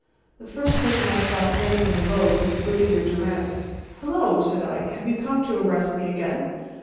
The first person I saw standing in the road was the Brigadier Durand. "Hello!" said I, "have you come to arrest me again?